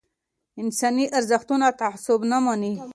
انساني ارزښتونه تعصب نه مني